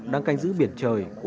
đang canh giữ biển trời của tổ quốc